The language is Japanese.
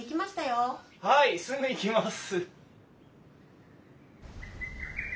はいすぐ行きます！